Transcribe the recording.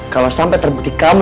kalo sampe terbukti kamu